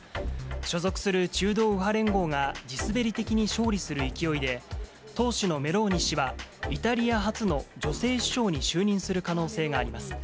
所属する中道右派連合が地滑り的に勝利する勢いで、党首のメローニ氏は、イタリア初の女性首相に就任する可能性があります。